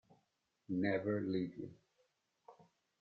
Never Leave You